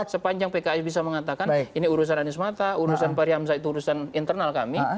sepanjang pks bisa mengatakan ini urusan arismata urusan fahri hamzah itu urusan internal kami